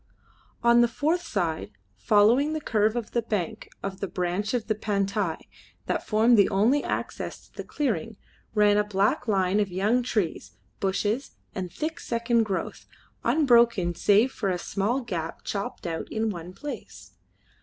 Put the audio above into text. On the fourth side, following the curve of the bank of that branch of the Pantai that formed the only access to the clearing, ran a black line of young trees, bushes, and thick second growth, unbroken save for a small gap chopped out in one place.